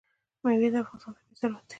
مېوې د افغانستان طبعي ثروت دی.